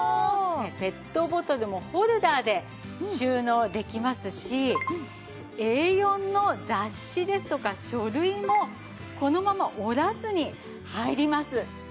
ペットボトルもホルダーで収納できますしＡ４の雑誌ですとか書類もこのまま折らずに入ります。